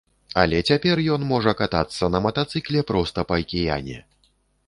Але цяпер ён можа катацца на матацыкле проста па акіяне.